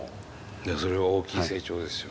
それは大きい成長ですよ。